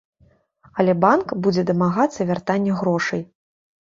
Але банк будзе дамагацца вяртання грошай.